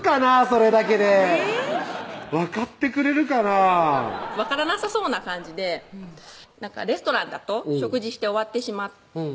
それだけで分かってくれるかなぁ分からなさそうな感じで「レストランだと食事して終わってしまう」